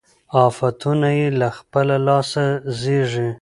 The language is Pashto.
آفتونه یې له خپله لاسه زېږي